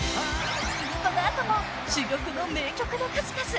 ［この後も珠玉の名曲の数々］